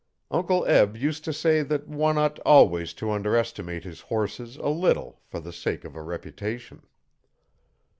Uncle Eb used to say that one ought always to underestimate his horse 'a leetle fer the sake of a reputation'.